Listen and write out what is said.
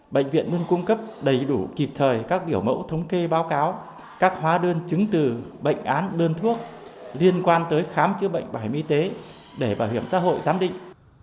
bệnh viện luôn cung cấp đầy đủ kịp thời các biểu mẫu thống kê báo cáo các hóa đơn chứng từ bệnh án đơn thuốc liên quan tới khám chữa bệnh bảo hiểm y tế để bảo hiểm xã hội giám định